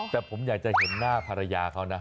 แต่ผมอยากจะเห็นหน้าภรรยาเขานะ